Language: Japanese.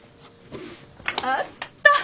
あった。